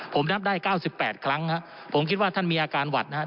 ผมนับได้๙๘ครั้งผมคิดว่าท่านมีอาการหวัดนะครับ